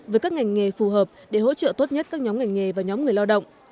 với các ngành nghề phù hợp để hỗ trợ tốt nhất các nhóm ngành nghề và nhóm người lao động